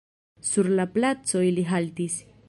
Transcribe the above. Sur la placo ili haltis.